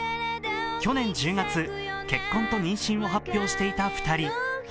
去年１０月、結婚と妊娠を発表していた２人。